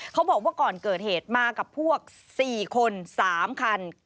เขาบอกว่าก่อนเกิดเหตุมากับพวก๔คน๓คัน